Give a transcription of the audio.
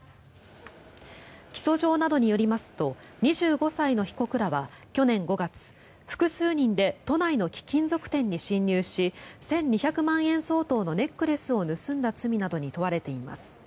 起訴状などによりますと２５歳の被告らは去年５月複数人で都内の貴金属店に侵入し１２００万円相当のネックレスを盗んだ罪などに問われています。